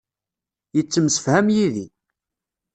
Yettemsefham yid-i.